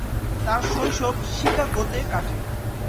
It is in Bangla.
তার শৈশব শিকাগোতে কাটে।